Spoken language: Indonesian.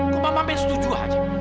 kok mama benar setuju